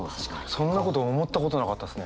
そんなこと思ったことなかったですね。